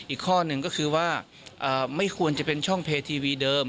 อีกข้อหนึ่งก็คือว่าไม่ควรจะเป็นช่องเพจทีวีเดิม